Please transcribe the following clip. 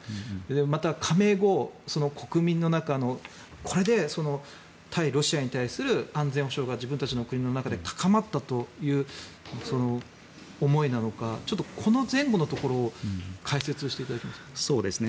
また、加盟後、国民の中のこれで対ロシアに対する安全保障が自分たちの国の中で高まったという思いなのかちょっとこの前後のところを解説していただきたいです。